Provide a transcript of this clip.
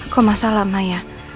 kok masalah maya